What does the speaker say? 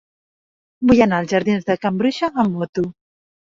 Vull anar als jardins de Can Bruixa amb moto.